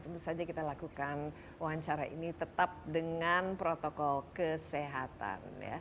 tentu saja kita lakukan wawancara ini tetap dengan protokol kesehatan